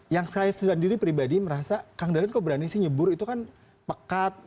yang saya sendiri pribadi merasa kang dadan kok berani sih nyebur itu kan pekat